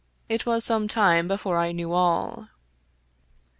It was some time before I knew all.